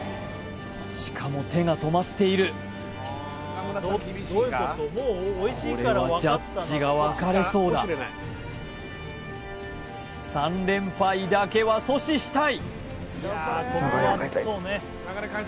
しかも手が止まっているこれはジャッジが分かれそうだ３連敗だけは阻止したい！